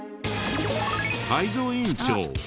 泰造委員長